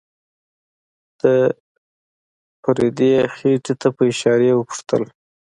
د فريدې خېټې ته په اشاره وپوښتل.